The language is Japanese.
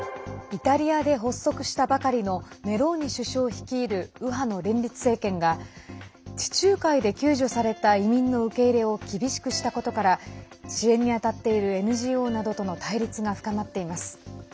イタリアで発足したばかりのメローニ首相率いる右派の連立政権が地中海で救助された移民の受け入れを厳しくしたことから支援に当たっているＮＧＯなどとの対立が深まっています。